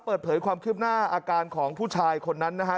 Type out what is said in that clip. เปิดเผยความคืบหน้าอาการของผู้ชายคนนั้นนะฮะ